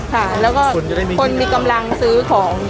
ค่ะแล้วก็คนมีกำลังซื้อของ